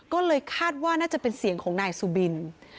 ก็เลยคาดว่าน่าจะเป็นเสียงของนายสุบิน